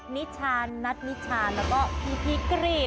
นิชานัทนิชาแล้วก็พีพีกรีด